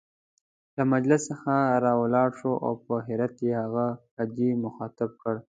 له مجلس څخه را ولاړ شو او په حيرت يې هغه حاجي مخاطب کړ.